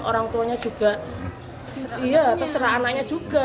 orang tuanya juga iya terserah anaknya juga